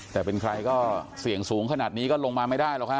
แต่เป็นใครก็เสี่ยงสูงขนาดนี้ก็ลงมาไม่ได้หรอกฮะ